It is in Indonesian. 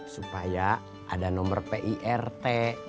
supaya ada nomor pirt